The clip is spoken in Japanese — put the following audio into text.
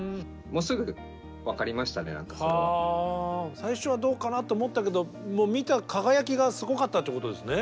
最初はどうかなと思ったけどもう見たら輝きがすごかったということですね。